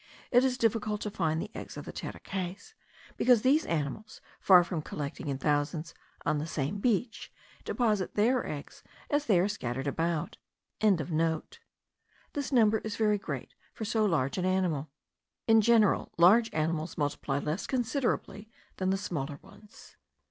It is difficult to find the eggs of the terekays, because these animals, far from collecting in thousands on the same beach, deposit their eggs as they are scattered about.) This number is very great for so large an animal. In general large animals multiply less considerably than the smaller ones.